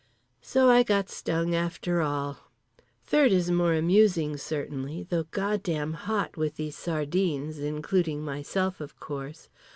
So I got stung after all. Third is more amusing certainly, though god damn hot with these sardines, including myself of course.